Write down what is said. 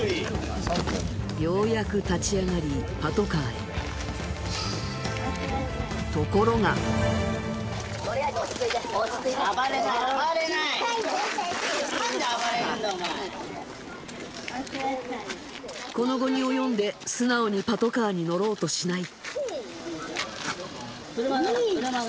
ようやく立ち上がりパトカーへところがとりあえず落ち着いて落ち着いてこの期に及んで素直にパトカーに乗ろうとしない